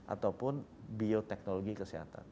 ataupun bioteknologi kesehatan